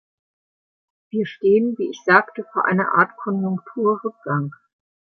Wir stehen, wie ich sagte, vor einer Art Konjunkturrückgang.